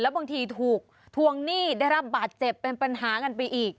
บางทีถูกทวงหนี้ได้รับบาดเจ็บเป็นปัญหากันไปอีก